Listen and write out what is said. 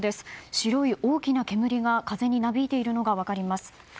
白い大きな煙が風になびいているのが分かります。